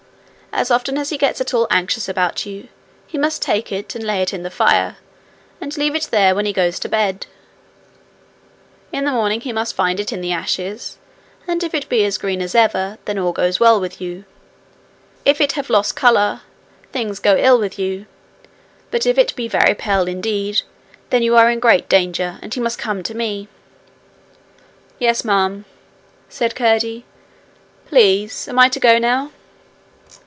As often as he gets at all anxious about you, he must take it and lay it in the fire, and leave it there when he goes to bed. In the morning he must find it in the ashes, and if it be as green as ever, then all goes well with you; if it have lost colour, things go ill with you; but if it be very pale indeed, then you are in great danger, and he must come to me.' 'Yes, ma'am,' said Curdie. 'Please, am I to go now?'